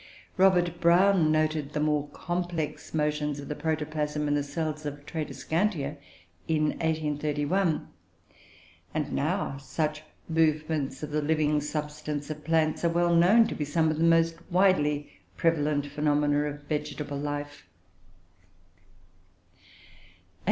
Robert Brown noted the more complex motions of the protoplasm in the cells of Tradescantia in 1831; and now such movements of the living substance of plants are well known to be some of the most widely prevalent phenomena of vegetable life.